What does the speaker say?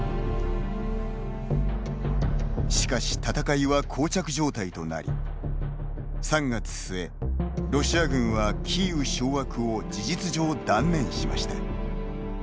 しかし、戦いはこう着状態となり３月末、ロシア軍はキーウ掌握を事実上断念しました。